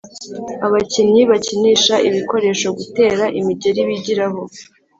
abakinnyi bakinisha ibikoresho gutera imigeri bigiraho